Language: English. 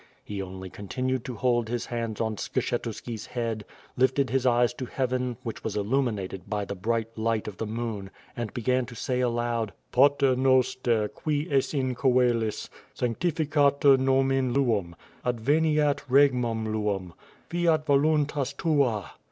He only continued to hold his hands on Skshetuski's head, lifted his eyes to Heaven, which was illuminated by the bright light of the moon, and began to say aloud: "Pater, Nosier, qui es in coelisf sandificatur nomen luumyQiU veniat regmum luum, fiat voluntas tua!